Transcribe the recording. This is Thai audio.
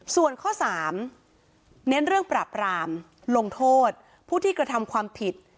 ส่วนข้อ๓เน้นเรื่องปราบรามลงโทษผู้ที่กระทำความผิด